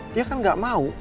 dia kan gak mau